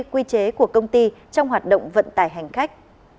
quy chế của công ty trong hoạt động vận tải hành khách